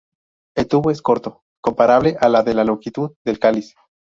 El tubo es corto, comparable a la de la longitud del cáliz.